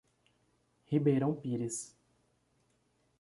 Ribeirão Pires